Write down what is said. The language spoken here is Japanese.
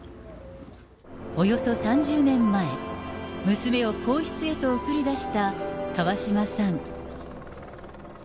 およそ３０年前、娘を皇室へと送り出した川嶋さん。